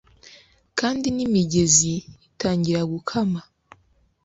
kandi nimigezi itangira gukama